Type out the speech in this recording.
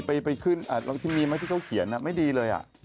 ไปขึ้นอ่าลงทีมีมาที่เขาเขียนอ่ะไม่ดีเลยอ่ะ